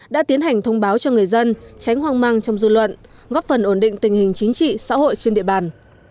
đã tiến hành thông báo cho người dân tránh hoang măng trong dư luận góp phần ổn định tình hình chính trị xã hội trên địa bàn